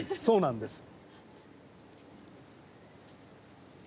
そうなんですよ。